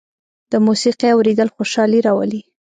د موسيقۍ اورېدل خوشالي راولي.